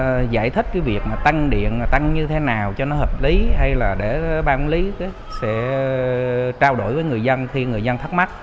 thông báo để giải thích cái việc mà tăng điện tăng như thế nào cho nó hợp lý hay là để ba công lý sẽ trao đổi với người dân khi người dân thắc mắc